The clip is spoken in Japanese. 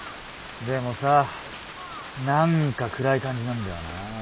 でもさ何か暗い感じなんだよな。